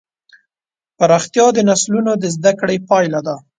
پراختیا د نسلونو د زدهکړې پایله ده.